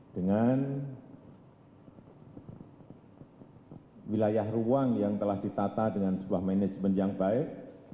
dengan wilayah ruang yang telah ditata dengan sebuah manajemen yang baik